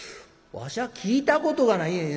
「わしゃ聞いたことがない」。